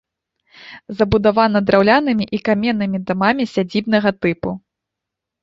Забудавана драўлянымі і каменнымі дамамі сядзібнага тыпу.